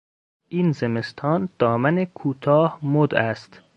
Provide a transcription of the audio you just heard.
این زمستان دامن کوتاه مد است.